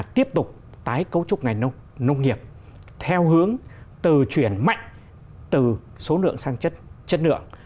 tiếp tục tái cấu trúc ngành nông nghiệp theo hướng từ chuyển mạnh từ số lượng sang chất lượng